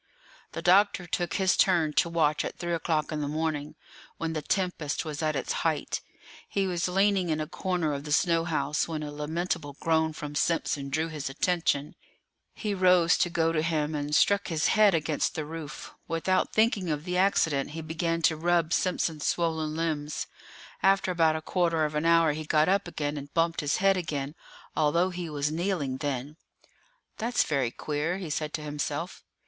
The doctor took his turn to watch at three o'clock in the morning, when the tempest was at its height; he was leaning in a corner of the snow house, when a lamentable groan from Simpson drew his attention; he rose to go to him, and struck his head against the roof; without thinking of the accident he began to rub Simpson's swollen limbs; after about a quarter of an hour he got up again, and bumped his head again, although he was kneeling then. "That's very queer," he said to himself.